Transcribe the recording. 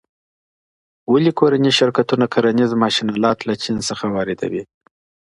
ولي کورني شرکتونه کرنیز ماشین الات له چین څخه واردوي؟